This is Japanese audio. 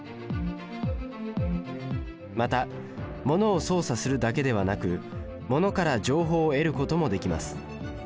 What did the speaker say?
またモノを操作するだけではなくモノから情報を得ることもできます。